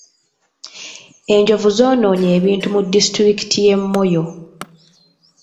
Enjovu zoonoonye ebintu mu disitulikiti y'e Moyo.